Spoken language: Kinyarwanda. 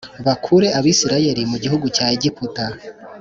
bakure Abisirayeli mu gihugu cya Egiputa